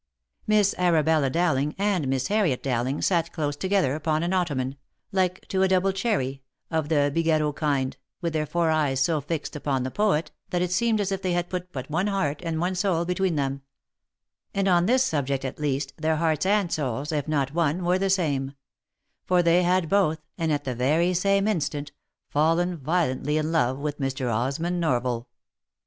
Miss Arabella Dowling, and Miss Harriet Dowling sat close together upon an ottoman, "like to a double cherry," of the Bigarreau kind, with their four eyes so fixed upon the poet that it seemed as if they had but one heart and one soul between them ; and on this sub ject at least, their hearts and souls, if not one, were the same ; for they had both, and at the very same instant, fallen violently in love with Mr. Osmond Norval. OF MICHAEL ARMSTRONG.